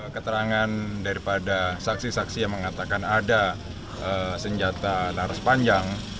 keterangan daripada saksi saksi yang mengatakan ada senjata laras panjang